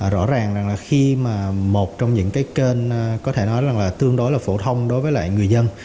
rõ ràng khi một trong những kênh có thể nói là tương đối phổ thông đối với người dân